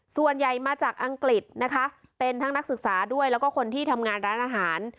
ส่วนใหญ่มาจากอังกฤษนะคะเป็นทั้งนักศึกษาด้วยแล้วก็คนที่ทำงานร้านอาหาร